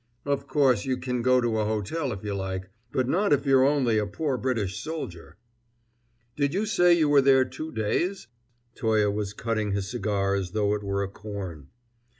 Of course you can go to a hotel, if you like; but not if you're only a poor British soldier." "Did you say you were there two days?" Toye was cutting his cigar as though it were a corn.